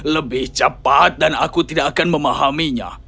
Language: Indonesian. lebih cepat dan aku tidak akan memahaminya